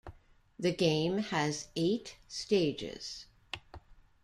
The game has eight stages.